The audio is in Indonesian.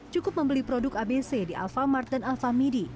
cukup membeli produk abc di alfamart dan alfamidi